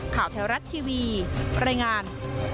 ข่าวแถวรัฐทีวีรายงาน